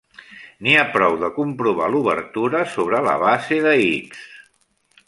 N'hi ha prou de comprovar l'obertura sobre la base de "X".